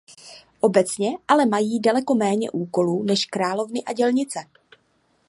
Obecně ale mají daleko méně úkolů než královny a dělnice.